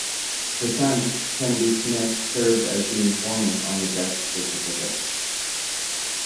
Her son Kennedy Smith served as the informant on the death certificate.